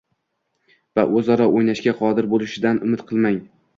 va o‘zaro o‘ynashga qodir bo‘lishidan umid qilmang.